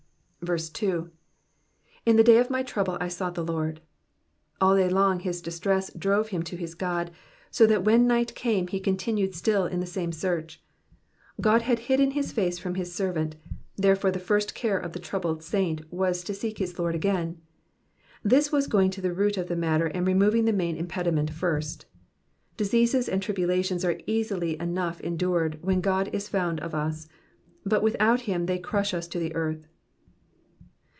2. ^ the day of my trouble I sought the Lord,'*^ All day long his distress drove him to his God, so that when night came he continued still in the same search. God had hidden his face from his servant, therefore the first care of the troubled saint was to seek his Lord again. This was going to the root of the matter and removing the main impediment first. Diseases and tribulations are easily enough endured when God is found of us, but without him they crush us to the earth.